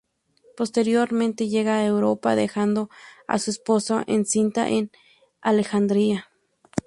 Posteriormente llega a Europa, dejando a su esposa encinta en Alejandría.